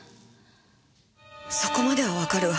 そこまではわかるわ。